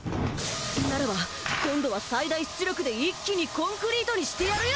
ならば今度は最大出力で一気にコンクリートにしてやるよ！